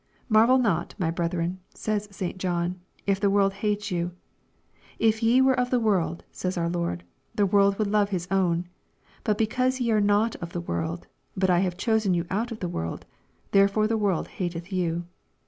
"Marvel not, my brethren," says St. John, "if the world hate you." " If ye were of the world," says our Lord, " the world would love his own ; but because ye are not of the world, but I have chosen you out of the world, therefore the world hateth you."